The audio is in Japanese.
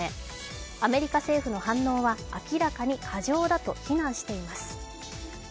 アメリカ政府の反応は明らかに過剰だと非難しています。